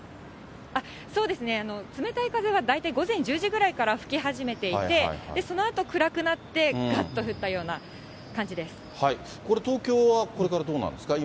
そうですね、冷たい風は大体午前１０時ぐらいから吹き始めていて、そのあと暗くなって、これ、東京はこれからどうなんですか？